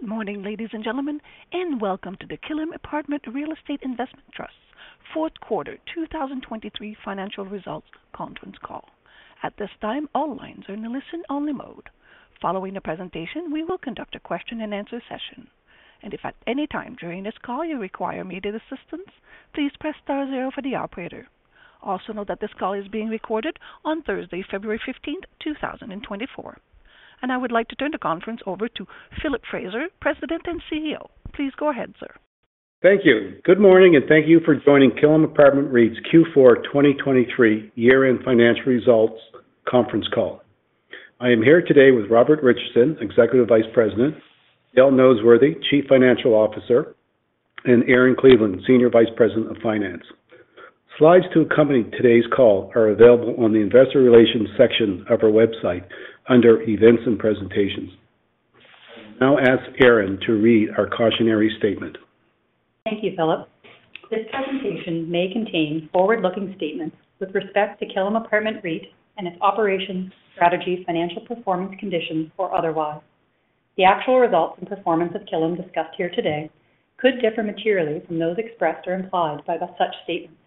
Good morning, ladies and gentlemen, and welcome to the Killam Apartment Real Estate Investment Trust fourth quarter 2023 financial results conference call. At this time, all lines are in a listen-only mode. following the presentation, we will conduct a question-and-answer session. If at any time during this call you require immediate assistance, please press star zero for the operator. Also, note that this call is being recorded on Thursday, February 15th, two thousand and twenty-four. I would like to turn the conference over to Philip Fraser, President and CEO. Please go ahead, sir. Thank you. Good morning, and thank you for joining Killam Apartment REIT's Q4 2023 year-end financial results conference call. I am here today with Robert Richardson, Executive Vice President, Dale Noseworthy, Chief Financial Officer, and Erin Cleveland, Senior Vice President of Finance. Slides to accompany today's call are available on the investor relations section of our website under Events and Presentations. I now ask Erin to read our cautionary statement. Thank you, Philip. This presentation may contain forward-looking statements with respect to Killam Apartment REIT and its operations, strategy, financial performance, conditions, or otherwise. The actual results and performance of Killam discussed here today could differ materially from those expressed or implied by such statements.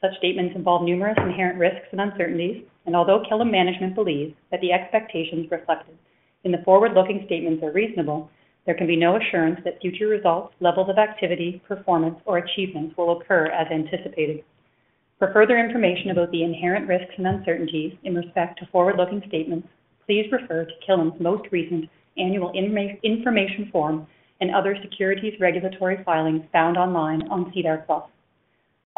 Such statements involve numerous inherent risks and uncertainties, and although Killam management believes that the expectations reflected in the forward-looking statements are reasonable, there can be no assurance that future results, levels of activity, performance, or achievements will occur as anticipated. For further information about the inherent risks and uncertainties with respect to forward-looking statements, please refer to Killam's most recent annual information form and other securities regulatory filings found online on SEDAR+.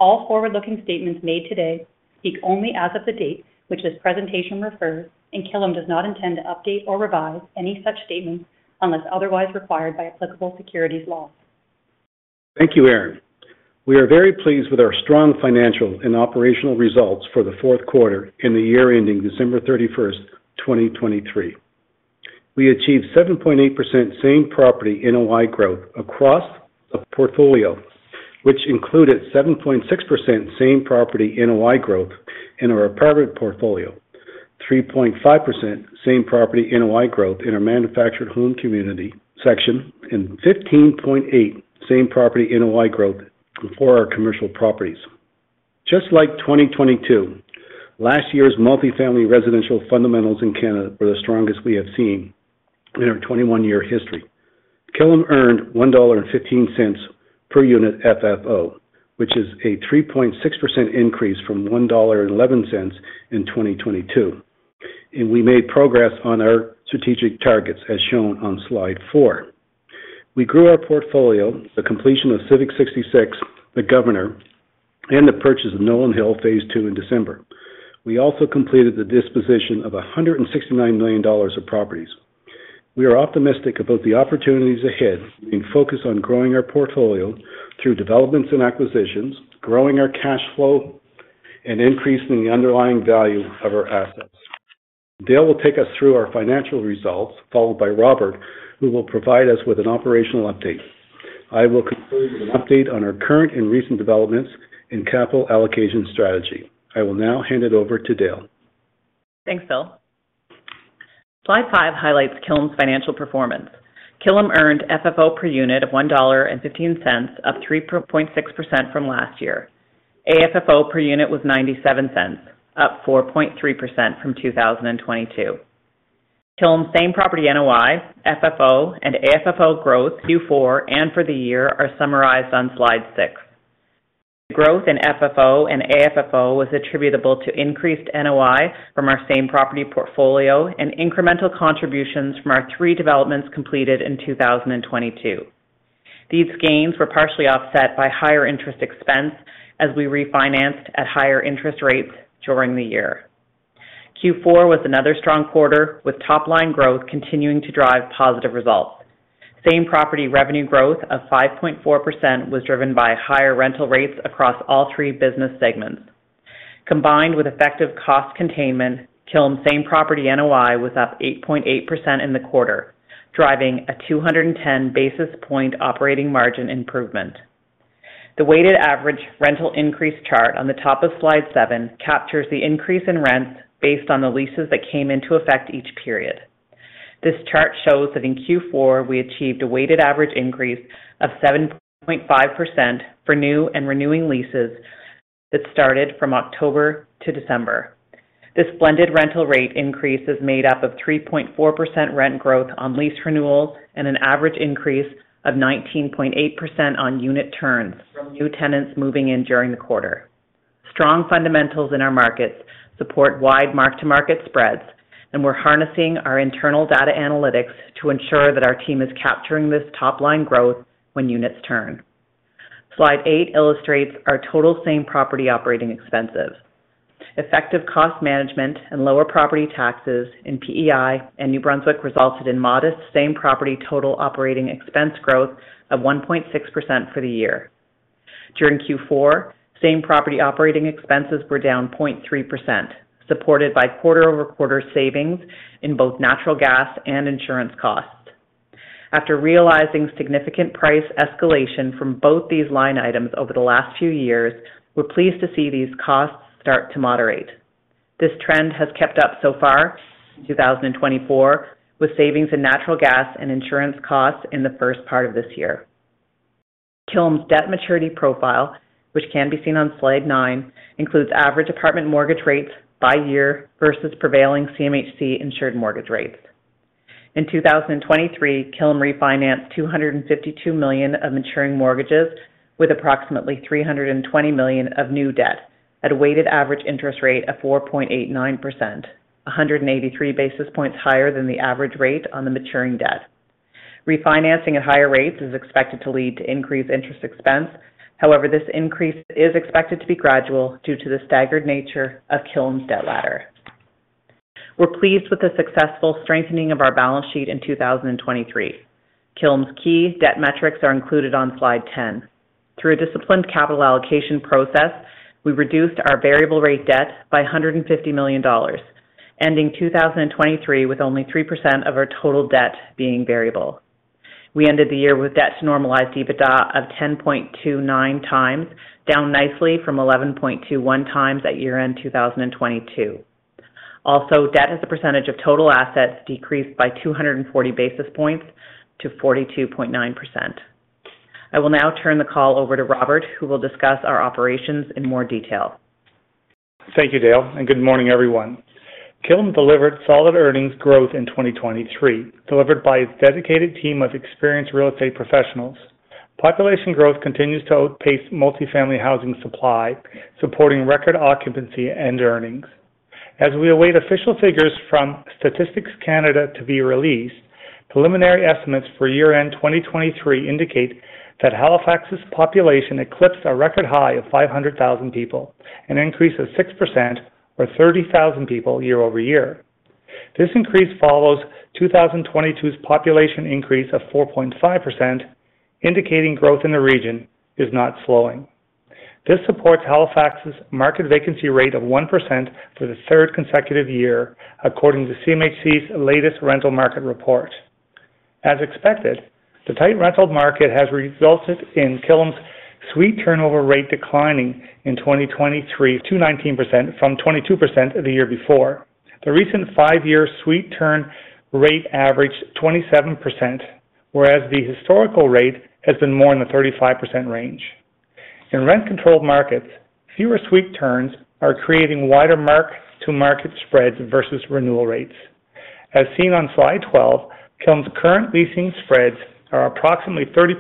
All forward-looking statements made today speak only as of the date which this presentation refers, and Killam does not intend to update or revise any such statements unless otherwise required by applicable securities laws. Thank you, Erin. We are very pleased with our strong financial and operational results for the fourth quarter in the year ending December 31, 2023. We achieved 7.8% same property NOI growth across the portfolio, which included 7.6% same property NOI growth in our apartment portfolio, 3.5% same property NOI growth in our manufactured home community section, and 15.8% same property NOI growth for our commercial properties. Just like 2022, last year's multifamily residential fundamentals in Canada were the strongest we have seen in our 21-year history. Killam earned 1.15 dollar per unit FFO, which is a 3.6% increase from 1.11 dollar in 2022, and we made progress on our strategic targets, as shown on slide 4. We grew our portfolio, the completion of Civic 66, The Governor, and the purchase of Nolan Hill Phase Two in December. We also completed the disposition of 169 million dollars of properties. We are optimistic about the opportunities ahead and focus on growing our portfolio through developments and acquisitions, growing our cash flow, and increasing the underlying value of our assets. Dale will take us through our financial results, followed by Robert, who will provide us with an operational update. I will conclude with an update on our current and recent developments in capital allocation strategy. I will now hand it over to Dale. Thanks, Phil. Slide 5 highlights Killam's financial performance. Killam earned FFO per unit of 1.15 dollar, up 3.6% from last year. AFFO per unit was 0.97, up 4.3% from 2022. Killam's Same Property NOI, FFO, and AFFO growth Q4 and for the year are summarized on slide 6. Growth in FFO and AFFO was attributable to increased NOI from our same property portfolio and incremental contributions from our three developments completed in 2022. These gains were partially offset by higher interest expense as we refinanced at higher interest rates during the year. Q4 was another strong quarter, with top-line growth continuing to drive positive results. Same property revenue growth of 5.4% was driven by higher rental rates across all three business segments. Combined with effective cost containment, Killam same property NOI was up 8.8% in the quarter, driving a 210 basis point operating margin improvement. The weighted average rental increase chart on the top of slide seven captures the increase in rents based on the leases that came into effect each period. This chart shows that in Q4, we achieved a weighted average increase of 7.5% for new and renewing leases that started from October to December. This blended rental rate increase is made up of 3.4% rent growth on lease renewals and an average increase of 19.8% on unit turns from new tenants moving in during the quarter. Strong fundamentals in our markets support wide mark-to-market spreads, and we're harnessing our internal data analytics to ensure that our team is capturing this top-line growth when units turn. Slide 8 illustrates our total same property operating expenses. Effective cost management and lower property taxes in PEI and New Brunswick resulted in modest same property total operating expense growth of 1.6% for the year. During Q4, same property operating expenses were down 0.3%, supported by quarter-over-quarter savings in both natural gas and insurance costs. After realizing significant price escalation from both these line items over the last few years, we're pleased to see these costs start to moderate. This trend has kept up so far in 2024, with savings in natural gas and insurance costs in the first part of this year. Killam's debt maturity profile, which can be seen on slide 9, includes average apartment mortgage rates by year versus prevailing CMHC Insured Mortgage rates. In 2023, Killam refinanced CAD 252 million of maturing mortgages with approximately CAD 320 million of new debt at a weighted average interest rate of 4.89%, 183 basis points higher than the average rate on the maturing debt. Refinancing at higher rates is expected to lead to increased interest expense. However, this increase is expected to be gradual due to the staggered nature of Killam's debt ladder. We're pleased with the successful strengthening of our balance sheet in 2023. Killam's key debt metrics are included on slide 10. Through a disciplined capital allocation process, we reduced our variable rate debt by 150 million dollars, ending 2023 with only 3% of our total debt being variable. We ended the year with debt to normalized EBITA of 10.29 times, down nicely from 11.21 times at year-end 2022. Also, debt as a percentage of total assets decreased by 240 basis points to 42.9%. I will now turn the call over to Robert, who will discuss our operations in more detail. Thank you, Dale, and good morning, everyone. Killam delivered solid earnings growth in 2023, delivered by its dedicated team of experienced real estate professionals. Population growth continues to outpace multifamily housing supply, supporting record occupancy and earnings. As we await official figures from Statistics Canada to be released, preliminary estimates for year-end 2023 indicate that Halifax's population eclipsed a record high of 500,000 people, an increase of 6% or 30,000 people year-over-year. This increase follows 2022's population increase of 4.5%, indicating growth in the region is not slowing. This supports Halifax's market vacancy rate of 1% for the third consecutive year, according to CMHC's latest rental market report. As expected, the tight rental market has resulted in Killam's suite turnover rate declining in 2023 to 19% from 22% the year before. The recent 5-year suite turn rate averaged 27%, whereas the historical rate has been more in the 35% range. In rent-controlled markets, fewer suite turns are creating wider mark-to-market spreads versus renewal rates. As seen on slide 12, Killam's current leasing spreads are approximately 30%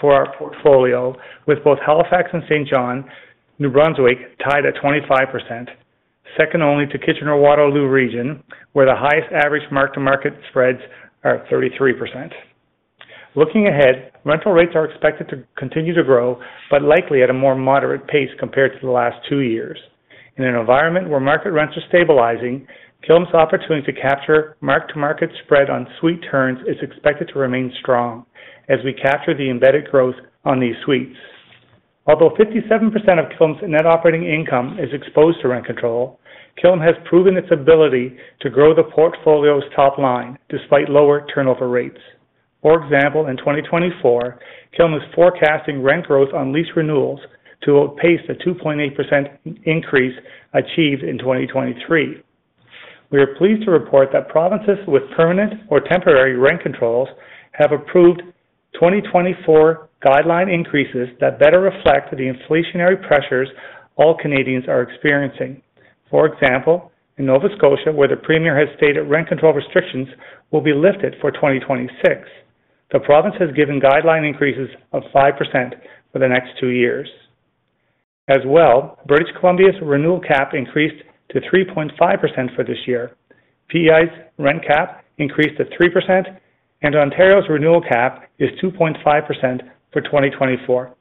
for our portfolio, with both Halifax and Saint John, New Brunswick, tied at 25%, second only to Kitchener-Waterloo region, where the highest average mark-to-market spreads are at 33%. Looking ahead, rental rates are expected to continue to grow, but likely at a more moderate pace compared to the last two years. In an environment where market rents are stabilizing, Killam's opportunity to capture mark-to-market spread on suite turns is expected to remain strong as we capture the embedded growth on these suites. Although 57% of Killam's net operating income is exposed to rent control, Killam has proven its ability to grow the portfolio's top line despite lower turnover rates. For example, in 2024, Killam is forecasting rent growth on lease renewals to outpace the 2.8% increase achieved in 2023. We are pleased to report that provinces with permanent or temporary rent controls have approved 2024 guideline increases that better reflect the inflationary pressures all Canadians are experiencing. For example, in Nova Scotia, where the Premier has stated rent control restrictions will be lifted for 2026, the province has given guideline increases of 5% for the next two years. As well, British Columbia's renewal cap increased to 3.5% for this year. PEI's rent cap increased to 3%, and Ontario's renewal cap is 2.5% for 2024.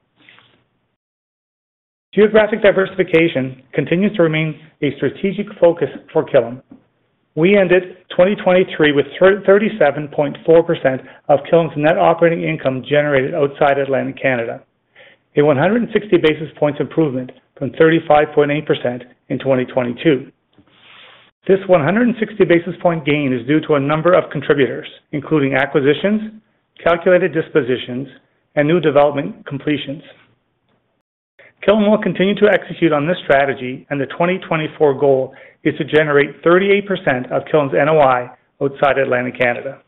Geographic diversification continues to remain a strategic focus for Killam. We ended 2023 with 37.4% of Killam's net operating income generated outside Atlantic Canada, a 160 basis points improvement from 35.8% in 2022. This 160 basis point gain is due to a number of contributors, including acquisitions, calculated dispositions, and new development completions. Killam will continue to execute on this strategy, and the 2024 goal is to generate 38% of Killam's NOI outside Atlantic Canada.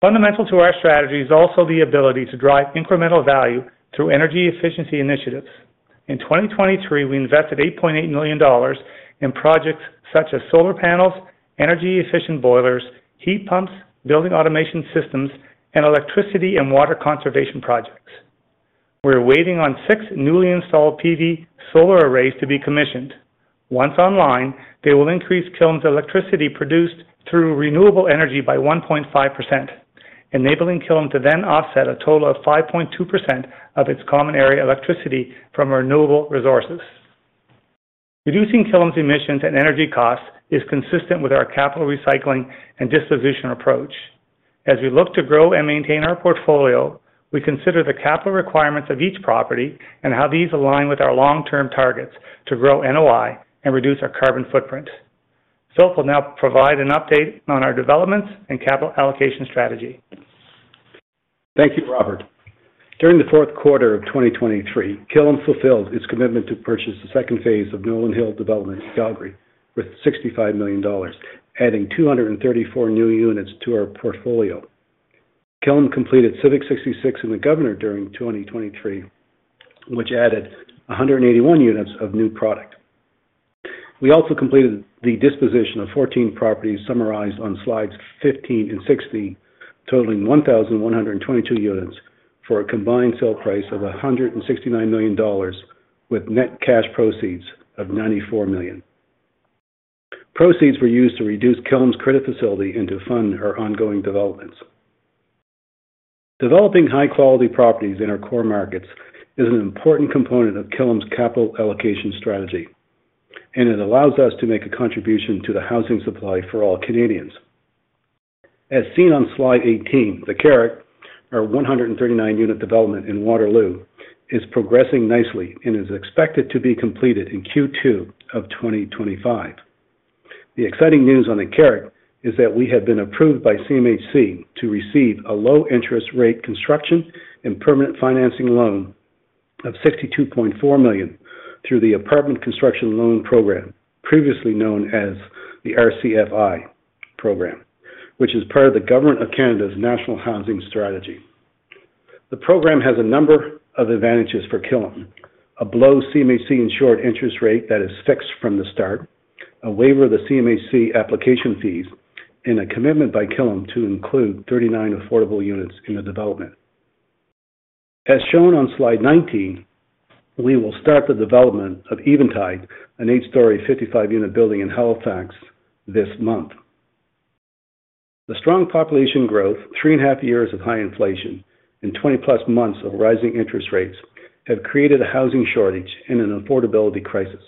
Fundamental to our strategy is also the ability to drive incremental value through energy efficiency initiatives. In 2023, we invested 8.8 million dollars in projects such as solar panels, energy-efficient boilers, heat pumps, building automation systems, and electricity and water conservation projects. We're waiting on six newly installed PV solar arrays to be commissioned. Once online, they will increase Killam's electricity produced through renewable energy by 1.5%, enabling Killam to then offset a total of 5.2% of its common area electricity from renewable resources. Reducing Killam's emissions and energy costs is consistent with our capital recycling and disposition approach. As we look to grow and maintain our portfolio, we consider the capital requirements of each property and how these align with our long-term targets to grow NOI and reduce our carbon footprint. Phil will now provide an update on our developments and capital allocation strategy. Thank you, Robert. During the fourth quarter of 2023, Killam fulfilled its commitment to purchase the second phase of Nolan Hill Development in Calgary with 65 million dollars, adding 234 new units to our portfolio. Killam completed Civic 66 and the Governor during 2023, which added 181 units of new product. We also completed the disposition of 14 properties summarized on slides 15 and 16, totaling 1,122 units for a combined sale price of 169 million dollars, with net cash proceeds of 94 million. Proceeds were used to reduce Killam's credit facility and to fund our ongoing developments. Developing high-quality properties in our core markets is an important component of Killam's capital allocation strategy, and it allows us to make a contribution to the housing supply for all Canadians. As seen on Slide 18, The Carrot, our 139-unit development in Waterloo, is progressing nicely and is expected to be completed in Q2 of 2025. The exciting news on The Carrot is that we have been approved by CMHC to receive a low-interest rate construction and permanent financing loan of 62.4 million through the Apartment Construction Loan program, previously known as the RCFI program, which is part of the government of Canada's National Housing Strategy. The program has a number of advantages for Killam: a below CMHC insured interest rate that is fixed from the start, a waiver of the CMHC application fees, and a commitment by Killam to include 39 affordable units in the development. As shown on Slide 19, we will start the development of Eventide, an 8-story, 55-unit building in Halifax this month. The strong population growth, 3.5 years of high inflation, and 20+ months of rising interest rates have created a housing shortage and an affordability crisis.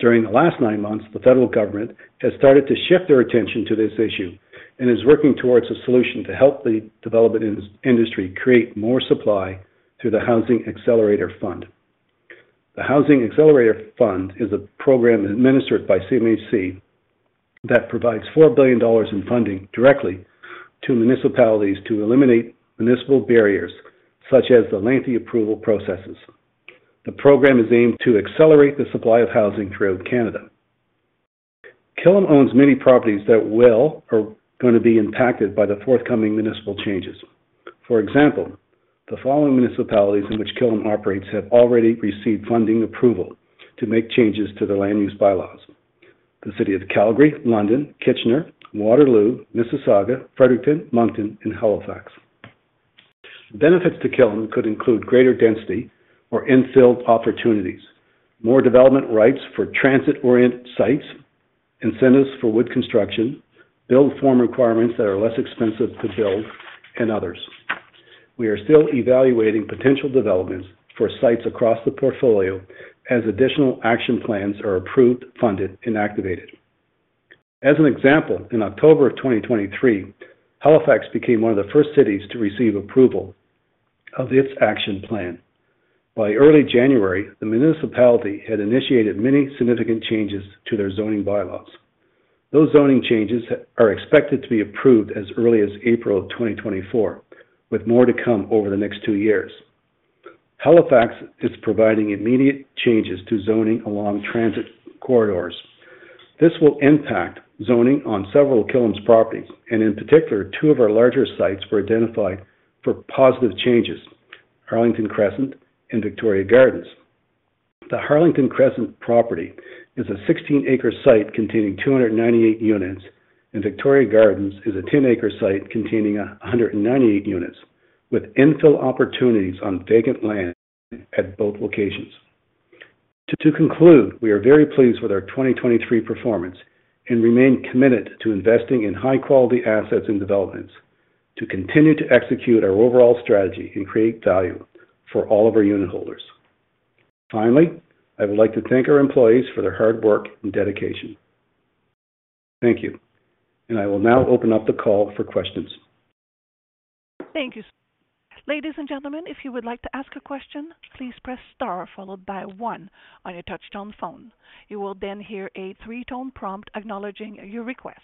During the last 9 months, the federal government has started to shift their attention to this issue and is working towards a solution to help the development industry create more supply through the Housing Accelerator Fund. The Housing Accelerator Fund is a program administered by CMHC that provides 4 billion dollars in funding directly to municipalities to eliminate municipal barriers, such as the lengthy approval processes. The program is aimed to accelerate the supply of housing throughout Canada. Killam owns many properties that will or going to be impacted by the forthcoming municipal changes. For example, the following municipalities in which Killam operates have already received funding approval to make changes to the land use by laws: the city of Calgary, London, Kitchener, Waterloo, Mississauga, Fredericton, Moncton, and Halifax. Benefits to Killam could include greater density or infill opportunities, more development rights for transit-oriented sites, incentives for wood construction, build form requirements that are less expensive to build, and others. We are still evaluating potential developments for sites across the portfolio as additional action plans are approved, funded, and activated. As an example, in October of 2023, Halifax became one of the first cities to receive approval of its action plan. By early January, the municipality had initiated many significant changes to their zoning bylaws. Those zoning changes are expected to be approved as early as April of 2024, with more to come over the next two years. Halifax is providing immediate changes to zoning along transit corridors. This will impact zoning on several Killam's properties, and in particular, two of our larger sites were identified for positive changes: Harlington Crescent and Victoria Gardens. The Harlington Crescent property is a 16-acre site containing 298 units, and Victoria Gardens is a 10-acre site containing 198 units, with infill opportunities on vacant land at both locations. To conclude, we are very pleased with our 2023 performance and remain committed to investing in high-quality assets and developments to continue to execute our overall strategy and create value for all of our unitholders. Finally, I would like to thank our employees for their hard work and dedication. Thank you, and I will now open up the call for questions. Thank you. Ladies and gentlemen, if you would like to ask a question, please press star followed by one on your touchtone phone. You will then hear a three-tone prompt acknowledging your request.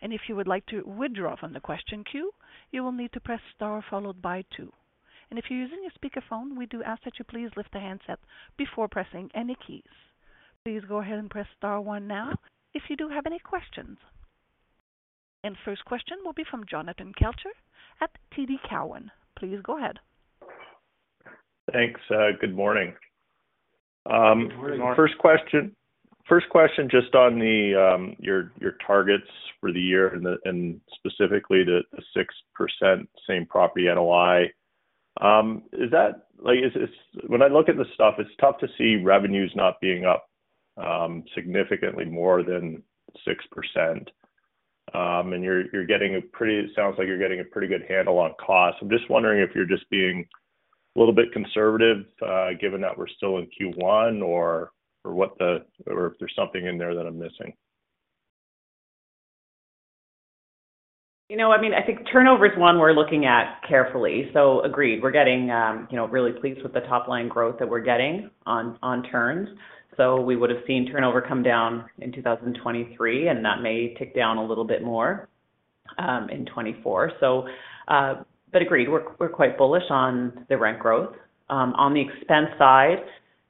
And if you would like to withdraw from the question queue, you will need to press star followed by two. And if you're using your speakerphone, we do ask that you please lift the handset before pressing any keys. Please go ahead and press star one now if you do have any questions. And first question will be from Jonathan Kelcher at TD Cowen. Please go ahead. Thanks. Good morning. Good morning. First question, first question, just on the your targets for the year and and specifically the 6% Same Property NOI. Is that like, is it when I look at the stuff, it's tough to see revenues not being up significantly more than 6%. And you're getting a pretty. It sounds like you're getting a pretty good handle on cost. I'm just wondering if you're just being a little bit conservative, given that we're still in Q1 or what the, or if there's something in there that I'm missing. You know, I mean, I think turnover is one we're looking at carefully. So agreed, we're getting, you know, really pleased with the top-line growth that we're getting on, on turns. So we would have seen turnover come down in 2023, and that may tick down a little bit more in 2024. So, but agreed, we're, we're quite bullish on the rent growth. On the expense side,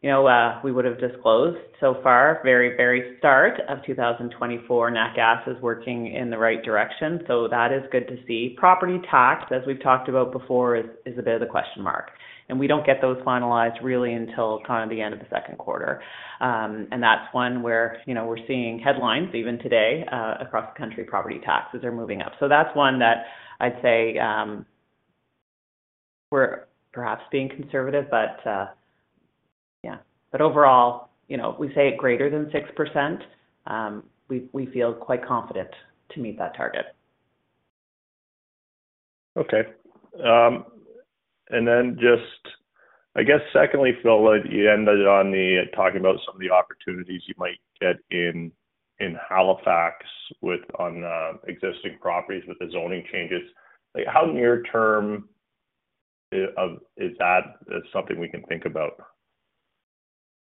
you know, we would have disclosed so far. Very, very start of 2024, net gas is working in the right direction, so that is good to see. Property tax, as we've talked about before, is a bit of a question mark, and we don't get those finalized really until kind of the end of the second quarter. And that's one where, you know, we're seeing headlines even today, across the country, property taxes are moving up. So that's one that I'd say, we're perhaps being conservative, but, yeah. But overall, you know, we say greater than 6%, we feel quite confident to meet that target. Okay. And then just, I guess, secondly, Phil, you ended on the talking about some of the opportunities you might get in, in Halifax with, on, existing properties with the zoning changes. Like, how near term is that something we can think about?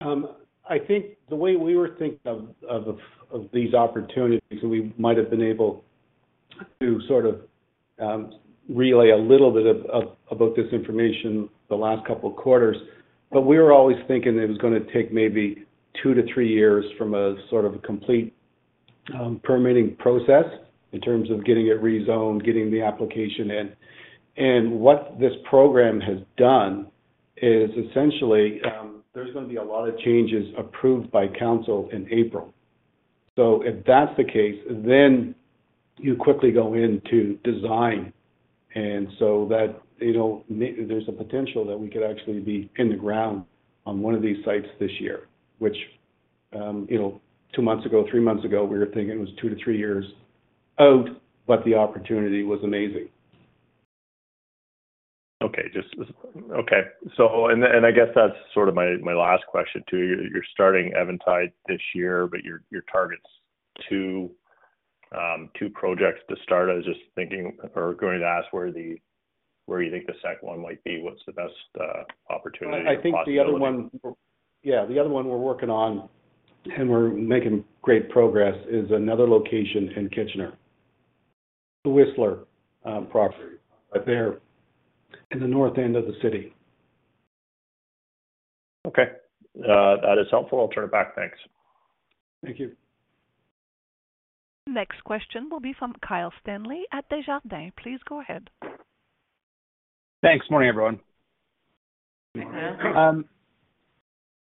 I think the way we were thinking of these opportunities, we might have been able to sort of relay a little bit about this information the last couple of quarters. But we were always thinking it was gonna take maybe two to three years from a sort of complete permitting process in terms of getting it rezoned, getting the application in. And what this program has done is essentially there's going to be a lot of changes approved by council in April. So if that's the case, then you quickly go into design, and so that, you know, there's a potential that we could actually be in the ground on one of these sites this year, which, you know, two months ago, three months ago, we were thinking it was two to three years out, but the opportunity was amazing. Okay, so I guess that's sort of my last question to you. You're starting Eventide this year, but your target's two projects to start. I was just thinking, or going to ask where you think the second one might be. What's the best opportunity? I think the other one, yeah, the other one we're working on, and we're making great progress, is another location in Kitchener, The Whistler property, right there in the north end of the city. Okay, that is helpful. I'll turn it back. Thanks. Thank you. Next question will be from Kyle Stanley at Desjardins. Please go ahead. Thanks. Morning, everyone. Good morning.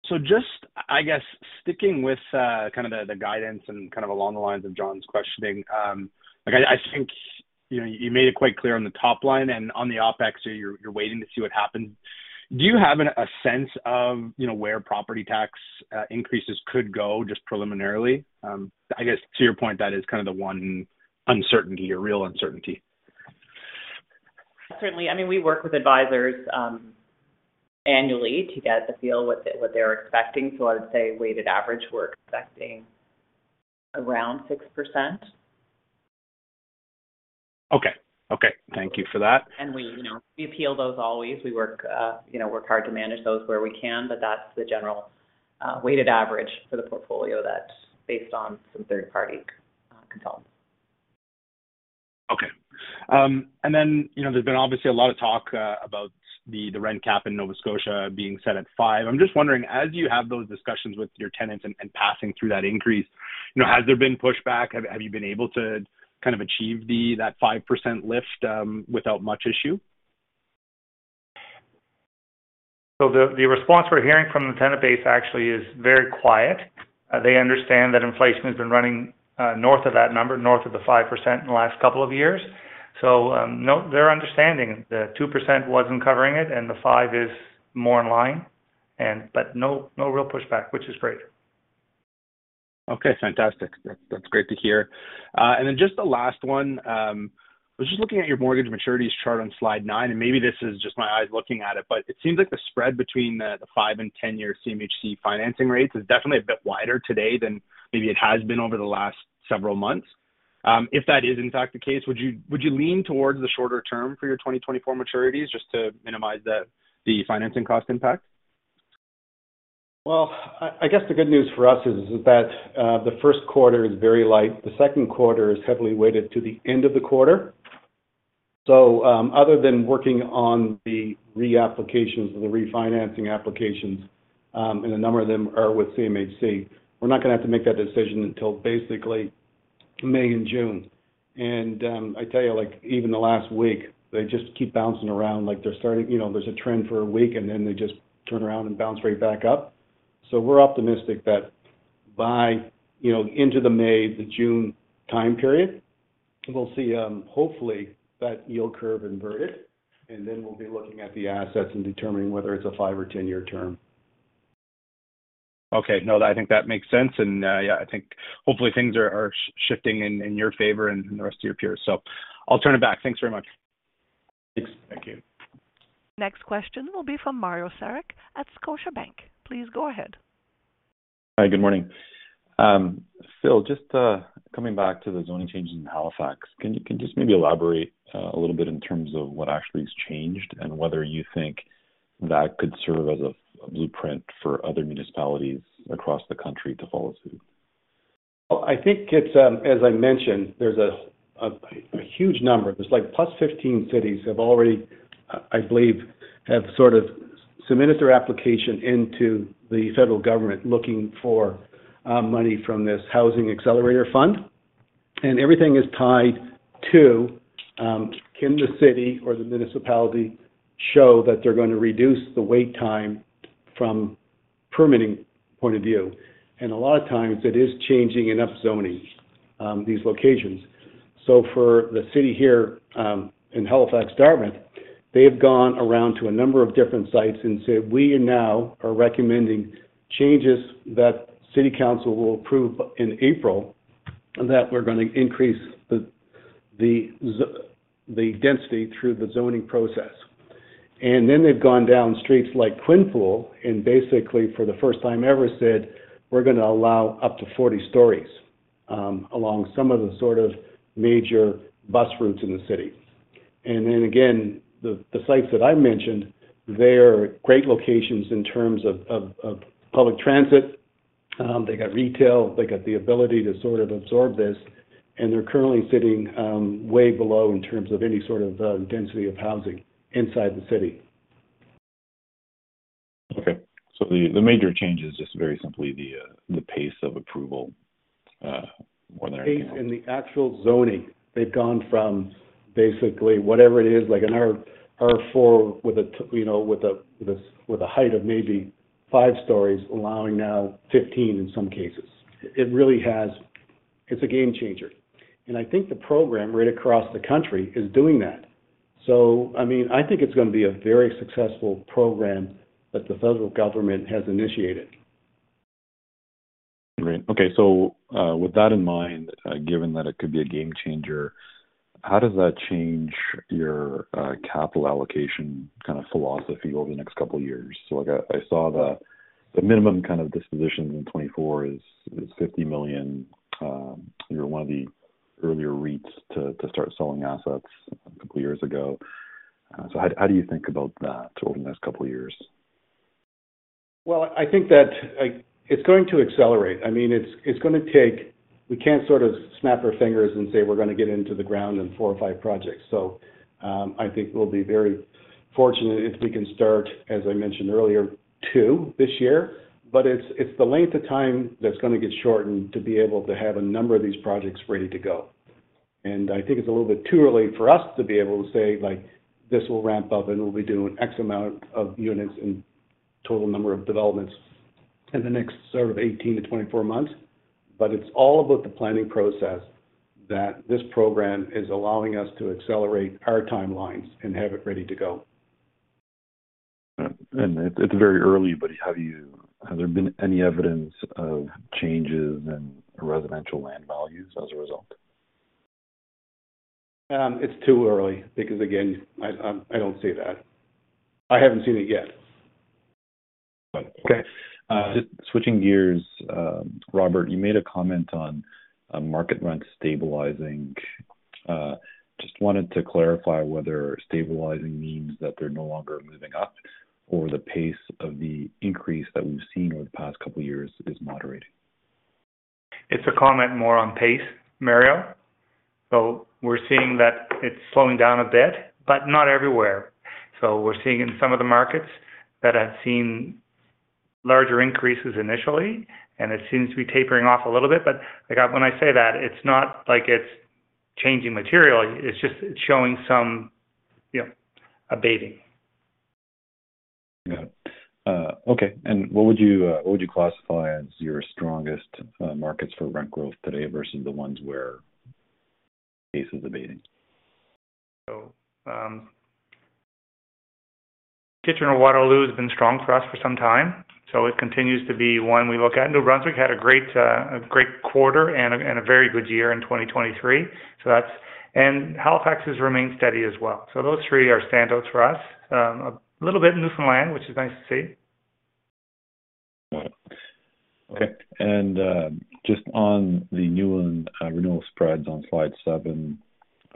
So just, I guess, sticking with kind of the guidance and kind of along the lines of John's questioning, like, I think, you know, you made it quite clear on the top line and on the OpEx, you're waiting to see what happens. Do you have a sense of, you know, where property tax increases could go, just preliminarily? I guess to your point, that is kind of the one uncertainty or real uncertainty. Certainly. I mean, we work with advisors annually to get a feel what they, what they're expecting. So I would say weighted average, we're expecting around 6%. Okay. Okay, thank you for that. We, you know, we appeal those always. We work, you know, work hard to manage those where we can, but that's the general weighted average for the portfolio that's based on some third-party consultants. Okay. And then, you know, there's been obviously a lot of talk about the rent cap in Nova Scotia being set at 5%. I'm just wondering, as you have those discussions with your tenants and passing through that increase, you know, has there been pushback? Have you been able to kind of achieve that 5% lift without much issue? The response we're hearing from the tenant base actually is very quiet. They understand that inflation has been running north of that number, north of the 5% in the last couple of years. No, they're understanding the 2% wasn't covering it, and the 5% is more in line, and but no, no real pushback, which is great. Okay, fantastic. That's, that's great to hear. And then just the last one, I was just looking at your mortgage maturities chart on slide 9, and maybe this is just my eyes looking at it, but it seems like the spread between the five and 10-year CMHC financing rates is definitely a bit wider today than maybe it has been over the last several months. If that is in fact the case, would you, would you lean towards the shorter term for your 2024 maturities just to minimize the, the financing cost impact? Well, I guess the good news for us is that the first quarter is very light. The second quarter is heavily weighted to the end of the quarter. So, other than working on the reapplications and the refinancing applications, and a number of them are with CMHC, we're not going to have to make that decision until basically May and June. And, I tell you, like, even the last week, they just keep bouncing around. Like, they're starting, you know, there's a trend for a week, and then they just turn around and bounce right back up. So we're optimistic that by, you know, into the May, the June time period, we'll see, hopefully, that yield curve inverted, and then we'll be looking at the assets and determining whether it's a five or 10-year term. Okay. No, I think that makes sense. And, yeah, I think hopefully things are shifting in your favor and the rest of your peers. So I'll turn it back. Thanks very much. Thanks. Thank you. Next question will be from Mario Saric at Scotiabank. Please go ahead. Hi, good morning. Phil, just coming back to the zoning changes in Halifax, can you just maybe elaborate a little bit in terms of what actually has changed and whether you think that could serve as a blueprint for other municipalities across the country to follow suit? Well, I think it's, as I mentioned, there's a huge number. There's like +15 cities have already, I believe, have sort of submitted their application into the federal government, looking for money from this Housing Accelerator Fund. And everything is tied to, can the city or the municipality show that they're going to reduce the wait time from permitting point of view? And a lot of times it is changing enough zoning, these locations. So for the city here in Halifax, Dartmouth, they've gone around to a number of different sites and said, "We now are recommending changes that city council will approve in April, and that we're gonna increase the density through the zoning process." And then they've gone down streets like Quinpool, and basically, for the first time ever, said, "We're gonna allow up to 40 stories along some of the sort of major bus routes in the city." And then again, the sites that I mentioned, they are great locations in terms of public transit. They got retail, they got the ability to sort of absorb this, and they're currently sitting way below in terms of any sort of density of housing inside the city. Okay. So the major change is just very simply the pace of approval, more than anything else. The pace and the actual zoning. They've gone from basically whatever it is, like an R4 with a, you know, height of maybe five stories, allowing now 15 in some cases. It really has. It's a game changer. And I think the program right across the country is doing that. So, I mean, I think it's gonna be a very successful program that the federal government has initiated. Great. Okay, so, with that in mind, given that it could be a game changer, how does that change your, capital allocation kind of philosophy over the next couple of years? So like, I, I saw that the minimum kind of dispositions in 2024 is, is 50 million. You're one of the earlier REITs to, to start selling assets a couple of years ago. So how, how do you think about that over the next couple of years? Well, I think that, like, it's going to accelerate. I mean, it's gonna take-- We can't sort of snap our fingers and say: We're gonna get into the ground in 4 or 5 projects. So, I think we'll be very fortunate if we can start, as I mentioned earlier, 2 this year. But it's the length of time that's gonna get shortened to be able to have a number of these projects ready to go. And I think it's a little bit too early for us to be able to say, like, this will ramp up, and we'll be doing X amount of units and total number of developments in the next sort of 18-24 months. But it's all about the planning process that this program is allowing us to accelerate our timelines and have it ready to go. It's very early, but have you, have there been any evidence of changes in residential land values as a result? It's too early because, again, I don't see that. I haven't seen it yet. Okay.Uh, just switching gears, Robert, you made a comment on market rent stabilizing. Just wanted to clarify whether stabilizing means that they're no longer moving up or the pace of the increase that we've seen over the past couple of years is moderating. It's a comment more on pace, Mario. So we're seeing that it's slowing down a bit, but not everywhere. So we're seeing in some of the markets that have seen larger increases initially, and it seems to be tapering off a little bit. But, like, when I say that, it's not like it's changing material, it's just, it's showing some, you know, abating. Got it. Okay, and what would you classify as your strongest markets for rent growth today versus the ones where pace is abating? So, Kitchener-Waterloo has been strong for us for some time, so it continues to be one we look at. New Brunswick had a great quarter and a very good year in 2023. So that's. And Halifax has remained steady as well. So those three are standouts for us. A little bit in Newfoundland, which is nice to see. Got it. Okay. And, just on the new and renewal spreads on slide seven,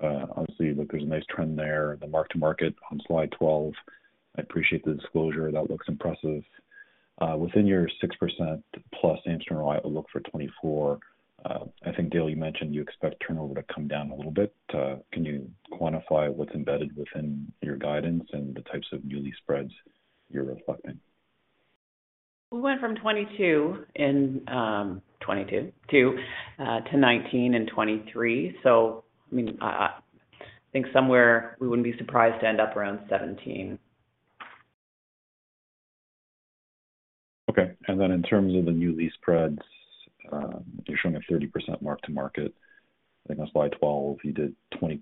obviously, look, there's a nice trend there. The mark-to-market on slide 12, I appreciate the disclosure. That looks impressive. Within your 6%+ internal rate of return for 2024, I think, Dale, you mentioned you expect turnover to come down a little bit. Can you quantify what's embedded within your guidance and the types of new lease spreads you're reflecting? We went from 22 in 2022 to 19 in 2023. So, I mean, I think somewhere we wouldn't be surprised to end up around 17. Okay. And then in terms of the new lease spreads, you're showing a 30% mark-to-market. I think on slide 12, you did 20%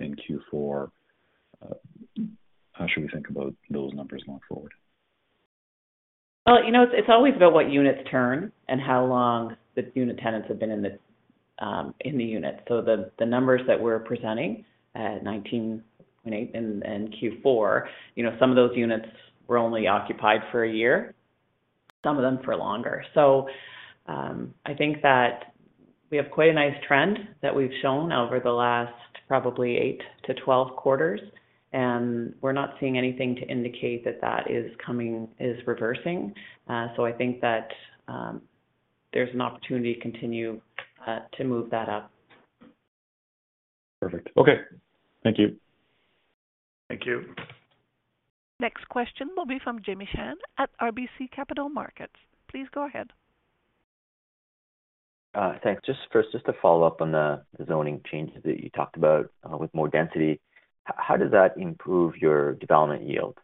in Q4. How should we think about those numbers going forward? Well, you know, it's always about what units turn and how long the unit tenants have been in the unit. So the numbers that we're presenting at 19.8 in Q4, you know, some of those units were only occupied for a year some of them for longer. So, I think that we have quite a nice trend that we've shown over the last probably eight to 12 quarters, and we're not seeing anything to indicate that that is coming, is reversing. So I think that there's an opportunity to continue to move that up. Perfect. Okay. Thank you. Thank you. Next question will be from Jimmy Shan at RBC Capital Markets. Please go ahead. Thanks. Just first, just to follow up on the zoning changes that you talked about, with more density. How does that improve your development yield?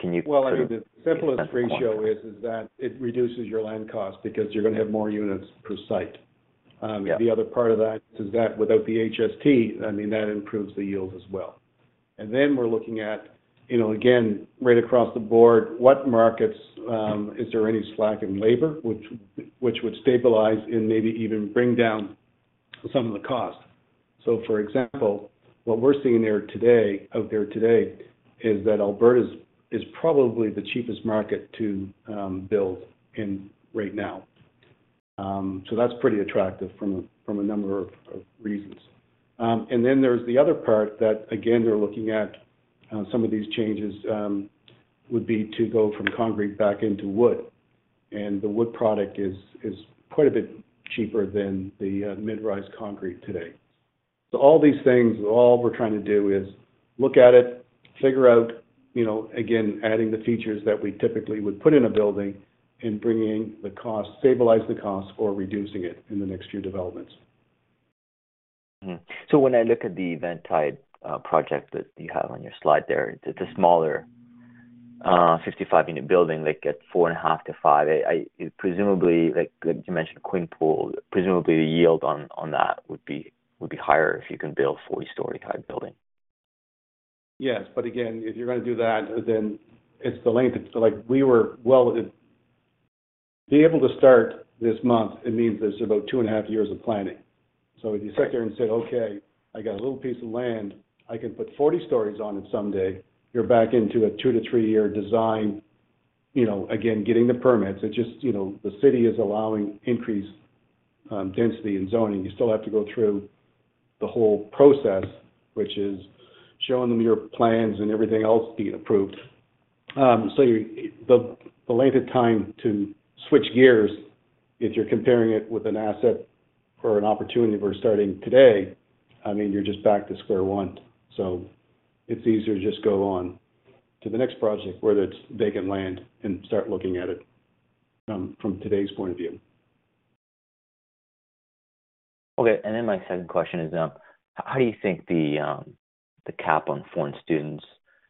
Can you- Well, I think the simplest ratio is that it reduces your land cost because you're going to have more units per site. Yeah, The other part of that is that without the HST, I mean, that improves the yield as well. Then we're looking at, you know, again, right across the board, what markets is there any slack in labor which would stabilize and maybe even bring down some of the costs? So for example, what we're seeing out there today is that Alberta is probably the cheapest market to build in right now. So that's pretty attractive from a number of reasons. And then there's the other part that, again, we're looking at, some of these changes would be to go from concrete back into wood. And the wood product is quite a bit cheaper than the mid-rise concrete today. So all these things, all we're trying to do is look at it, figure out, you know, again, adding the features that we typically would put in a building and bringing the cost, stabilize the cost, or reducing it in the next few developments. Mm-hmm. So when I look at the Eventide project that you have on your slide there, it's a smaller 55-unit building, like at 4.5-5. Presumably, like you mentioned, Quinpool, presumably the yield on that would be higher if you can build a 40-story type building. Yes, but again, if you're going to do that, then it's the length. Well, to be able to start this month, it means there's about two and a half years of planning. So if you sit there and said, "Okay, I got a little piece of land, I can put 40 stories on it someday," you're back into a 2-3 year design, you know, again, getting the permits. It's just, you know, the city is allowing increased density and zoning. You still have to go through the whole process, which is showing them your plans and everything else to be approved. So the length of time to switch gears, if you're comparing it with an asset or an opportunity, we're starting today, I mean, you're just back to square one. So it's easier to just go on to the next project, whether it's vacant land, and start looking at it from today's point of view. Okay, and then my second question is, how do you think the, the cap on foreign students,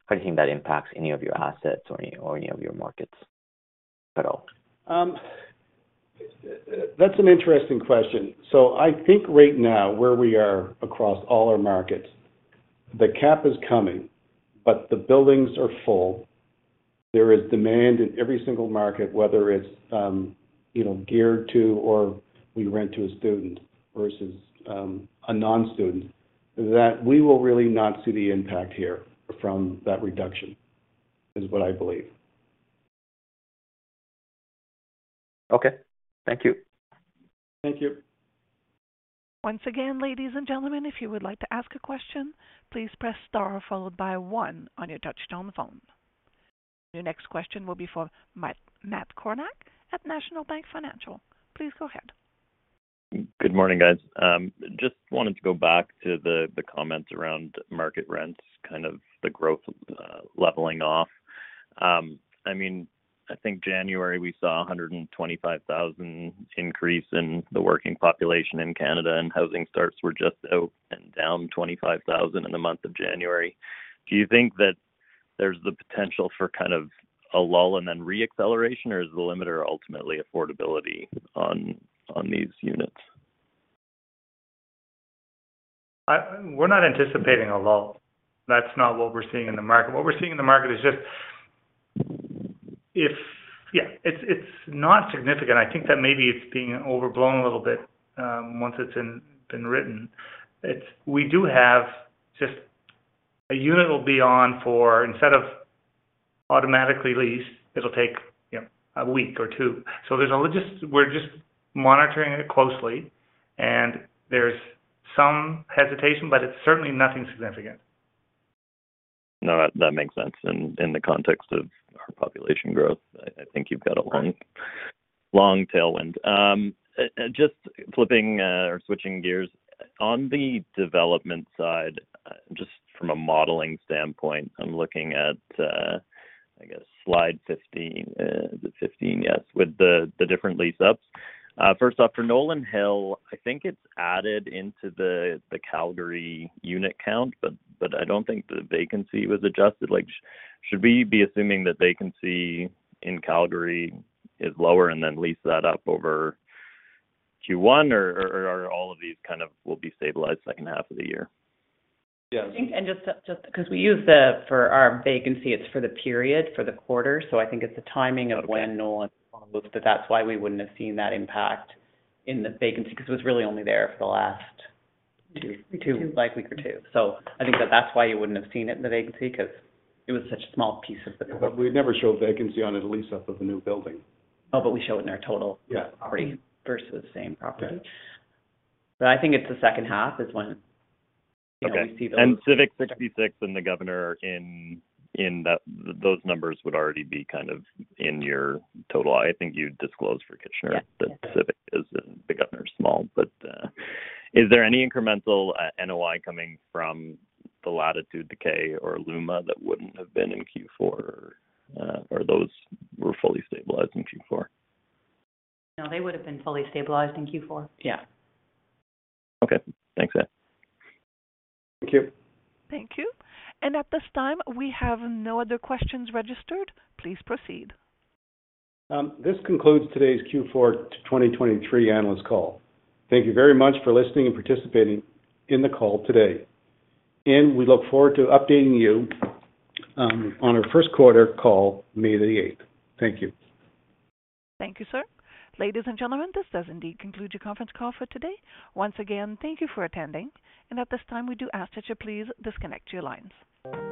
how do you think that impacts any of your assets or any, or any of your markets at all? That's an interesting question. So I think right now, where we are across all our markets, the cap is coming, but the buildings are full. There is demand in every single market, whether it's, you know, geared to or we rent to a student versus, a non-student, that we will really not see the impact here from that reduction, is what I believe. Okay. Thank you. Thank you. Once again, ladies and gentlemen, if you would like to ask a question, please press star, followed by one on your touchtone phone. Your next question will be for Matt Kornack at National Bank Financial. Please go ahead. Good morning, guys. Just wanted to go back to the comments around market rents, kind of the growth leveling off. I mean, I think January, we saw a 125,000 increase in the working population in Canada, and housing starts were just out and down 25,000 in the month of January. Do you think that there's the potential for kind of a lull and then reacceleration, or is the limiter ultimately affordability on these units? We're not anticipating a lull. That's not what we're seeing in the market. What we're seeing in the market is just, yeah, it's not significant. I think that maybe it's being overblown a little bit, once it's been written. It's, we do have just a unit will be on for, instead of automatically leased, it'll take, you know, a week or two. So there's a, we're just monitoring it closely, and there's some hesitation, but it's certainly nothing significant. No, that makes sense in, in the context of our population growth. I, I think you've got a long, long tailwind. Just flipping, or switching gears. On the development side, just from a modeling standpoint, I'm looking at, I guess, slide 15. Is it 15? Yes, with the, the different lease ups. First off, for Nolan Hill, I think it's added into the, the Calgary unit count, but, but I don't think the vacancy was adjusted. Like, should we be assuming that vacancy in Calgary is lower and then lease that up over Q1, or, or, all of these kind of will be stabilized second half of the year? Yes. I think just because we use the for our vacancy, it's for the period, for the quarter. So I think it's the timing of when Nolan, but that's why we wouldn't have seen that impact in the vacancy, because it was really only there for the last two, like, week or two. So I think that's why you wouldn't have seen it in the vacancy, because it was such a small piece of the- But we never show vacancy on a lease up of the new building. Oh, but we show it in our total- Yeah. Versus the same property. Yeah, But I think it's the second half is when, you know, we see the- Okay. And Civic 66 and The Governor in that those numbers would already be kind of in your total. I think you disclosed for Kitchener- Yes. That Civic is, the Governor is small, but is there any incremental NOI coming from the Latitude, The Kay or Luma that wouldn't have been in Q4, or those were fully stabilized in Q4? No, they would have been fully stabilized in Q4.Yeah. Okay. Thanks, guys. Thank you. Thank you. At this time, we have no other questions registered. Please proceed. This concludes today's Q4 2023 analyst call. Thank you very much for listening and participating in the call today. We look forward to updating you on our first quarter call, May 8. Thank you. Thank you, sir. Ladies and gentlemen, this does indeed conclude your conference call for today. Once again, thank you for attending, and at this time, we do ask that you please disconnect your lines.